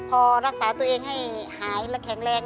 พอรักษาตัวเองให้หายและแข็งแรง